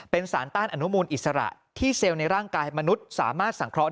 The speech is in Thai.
เป็นสารต้านอนุมูลอิสระที่เซลล์ในร่างกายมนุษย์สามารถสังเคราะห